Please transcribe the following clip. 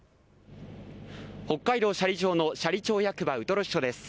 北海道斜里町の斜里町役場ウトロ支所です。